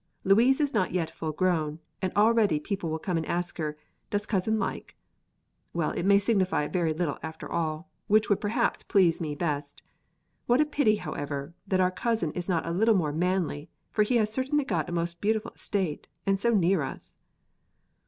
Louise is not yet full grown, and already people come and ask her, 'Does cousin like ?' Well, it may signify very little after all, which would perhaps please me best. What a pity, however, that our cousin is not a little more manly; for he has certainly got a most beautiful estate, and so near us."